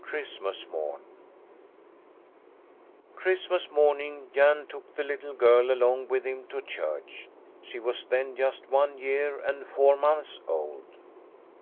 CHRISTMAS MORN Christmas morning Jan took the little girl along with him to church; she was then just one year and four months old.